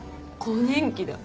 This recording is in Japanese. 更年期だ。